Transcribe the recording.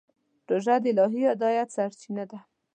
روژه د الهي هدایت سرچینه ده.